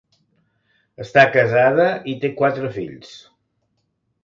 Està casada i té quatre fills.